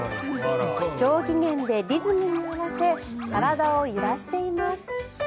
上機嫌でリズムに合わせ体を揺らしています。